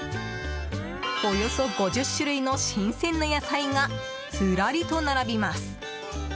およそ５０種類の新鮮な野菜がずらりと並びます。